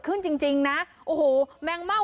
ขึ้นจริงจริงนะโอ้โหแมงเม่า